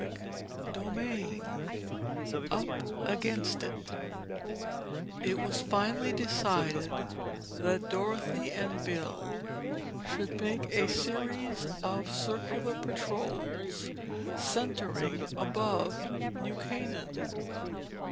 Chapter XIV UP AGAINST IT It was finally decided that Dorothy and Bill should make a series of circular patrols, centering above New Canaan.